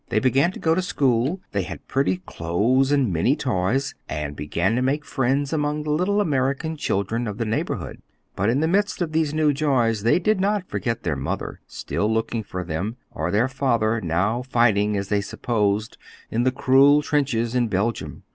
They began to go to school; they had pretty clothes and many toys, and began to make friends among the little American children of the neighborhood. But in the midst of these new joys they did not forget their mother, still looking for them, or their father, now fighting, as they supposed, in the cruel trenches of Belgium.